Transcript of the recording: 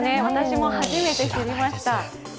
私も初めて知りました。